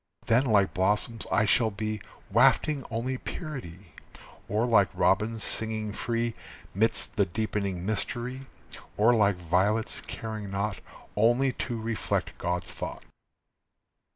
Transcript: Then like blossoms I shall be, Wafting only purity, Or like robins, singing free 'Midst the deepening mystery, Or like violets, caring naught Only to reflect God's thought."